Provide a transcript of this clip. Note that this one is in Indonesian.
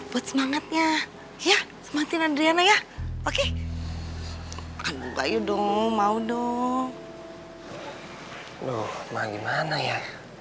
buat semangatnya ya semangatin adriana ya oke aduh bayu dong mau dong mau gimana ya